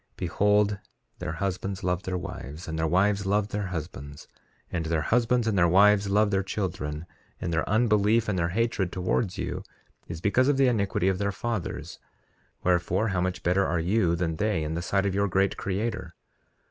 3:7 Behold, their husbands love their wives, and their wives love their husbands; and their husbands and their wives love their children; and their unbelief and their hatred towards you is because of the iniquity of their fathers; wherefore, how much better are you than they, in the sight of your great Creator?